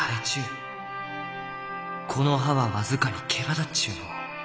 この葉は僅かにけばだっちゅうのう。